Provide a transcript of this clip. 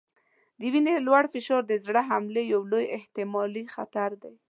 د وینې لوړ فشار د زړه د حملې یو لوی احتمالي خطر دی.